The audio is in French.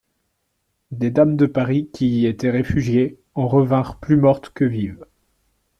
Des dames de Paris, qui y étaient réfugiées, en revinrent plus mortes que vives.